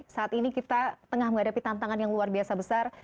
saat ini kita tengah menghadapi tantangan yang luar biasa besar